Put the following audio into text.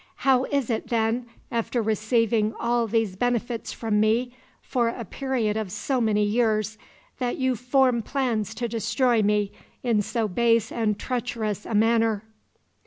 "How is it, then, after receiving all these benefits from me for a period of so many years, that you form plans to destroy me in so base and treacherous a manner?"